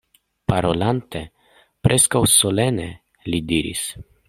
Parolante preskaŭ solene, li diris: